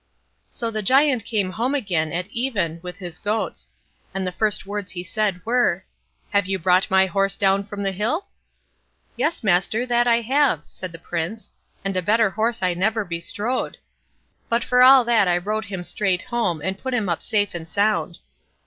So the Giant came home again at even with his goats; and the first words he said were: "Have you brought my horse down from the hill?" "Yes, master, that I have", said the Prince; "and a better horse I never bestrode; but for all that I rode him straight home, and put him up safe and sound."